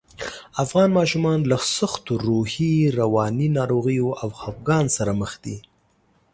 افغان ماشومان له سختو روحي، رواني ناروغیو او خپګان سره مخ دي